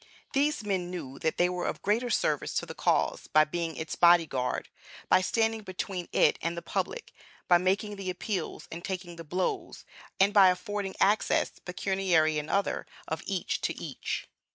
These men knew that they were of greater service to the cause by being its body guard, by standing between it and the public, by making the appeals and taking the blows, and by affording access, pecuniary and other, of each to each.